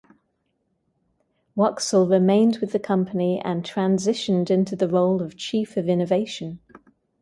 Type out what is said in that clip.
Waksal remained with the company and transitioned into the role of Chief of Innovation.